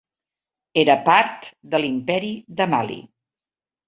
Era part de l'Imperi de Mali.